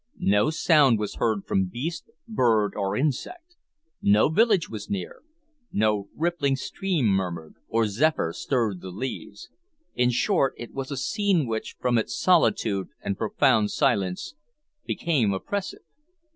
No sound was heard from beast, bird, or insect; no village was near, no rippling stream murmured, or zephyr stirred the leaves; in short, it was a scene which, from its solitude and profound silence, became oppressive.